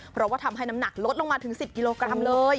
เพราะว่าทำให้น้ำหนักลดลงมาถึง๑๐กิโลกรัมเลย